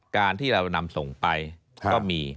การที่เรานำส่งไปก็มี